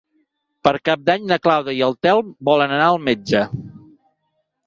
Per Cap d'Any na Clàudia i en Telm volen anar al metge.